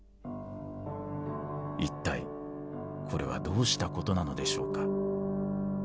いったいこれはどうしたことなのでしょうか。